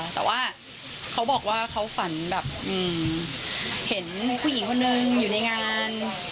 แต่ว่าเขาบอกว่าเขาฝันแบบเห็นผู้หญิงคนนึงอยู่ในงาน